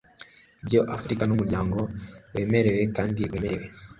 i bya Afurika numuryango wemerewe kandi wemewe